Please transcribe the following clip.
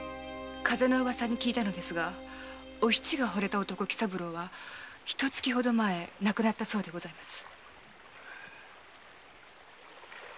風のウワサに聞いたのですがお七が惚れた男喜三郎はひと月ほど前亡くなったそうでございます。